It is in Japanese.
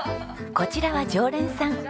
こちらは常連さん。